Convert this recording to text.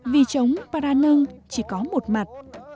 vì trống para nâng chỉ có một mặt